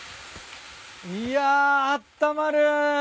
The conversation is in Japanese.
いやあったまる。